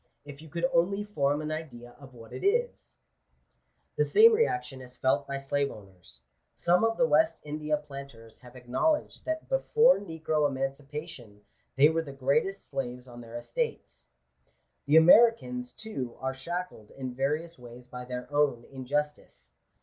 If you could only form an idea of what it is !" The same reaction is felt by slave owners. Some of the West India planters have acknowledged that before negro emancipation they were the greatest slaves Digitized by VjOOQIC 444 GENERAL CONSIDERATIONS. on their estates. The Americans, too, are shackled in various ways by their own injustice.